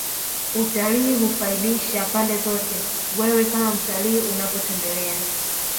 utalii hufaidisha pande zote Wewe kama mtalii unapotembelea